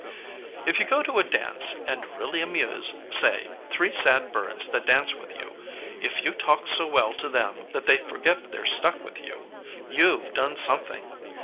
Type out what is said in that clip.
"If you go to a dance and really amuse, say, three sad birds that dance with you; if you talk so well to them that they forget they're stuck with you, you've done something.